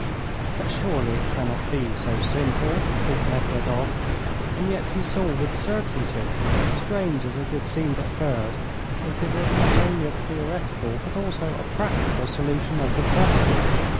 "But surely it cannot be so simple," thought Nekhludoff, and yet he saw with certainty, strange as it had seemed at first, that it was not only a theoretical but also a practical solution of the question.